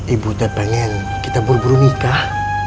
ibu tak pengen kita buru buru nikah